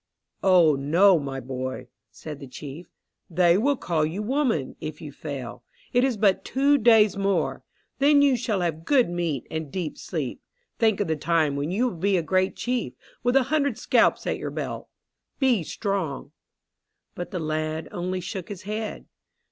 "Ah no, my boy," said the chief. "They will call you woman, if you fail. It is but two days more. Then you shall have good meat and deep sleep. Think of the time when you will be a great chief, with a hundred scalps at your belt. Be strong." But the lad only shook his head.